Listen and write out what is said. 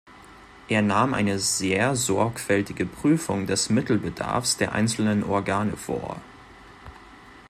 Er nahm eine sehr sorgfältige Prüfung des Mittelbedarfs der einzelnen Organe vor.